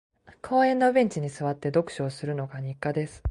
公園のベンチに座って、読書をするのが日課です。